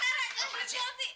eh eh apaan aja